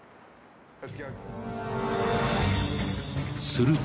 ［すると］